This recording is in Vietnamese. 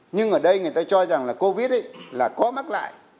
nhưng ở đây người ta cho rằng là covid là có mắc lại